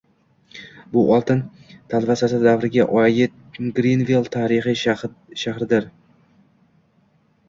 Bu oltin talvasasi davriga oid Grinvill tarixiy shahridir